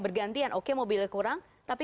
bergantian oke mobilnya kurang tapi